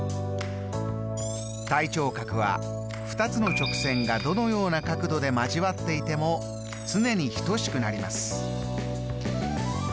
対頂角は２つ直線がどのような角度で交わっていても常に等しくなります。